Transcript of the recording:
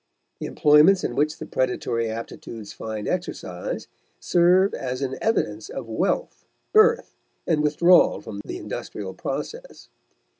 The employments in which the predatory aptitudes find exercise serve as an evidence of wealth, birth, and withdrawal from the industrial process.